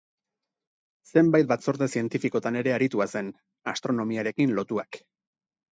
Zenbait batzorde zientifikotan ere aritua zen, astronomiarekin lotuak.